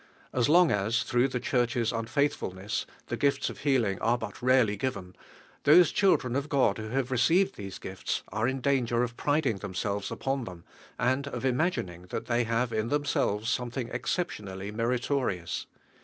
As long as, through (he Church's unfaithfulness, the gifts of healing are but rarely given, those children of God Sli DIVINE HEAI.INO. who have received these gifts are in dan ger of priding themselves upon then], and rif imagining that they have in themselves something exceptionally meritorious.